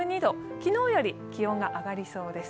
昨日より気温が上がりそうです。